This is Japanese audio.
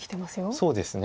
そうですね。